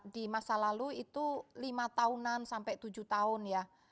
di masa lalu itu lima tahunan sampai tujuh tahun ya